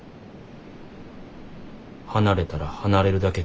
離れたら離れるだけ強くなる。